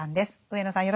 上野さん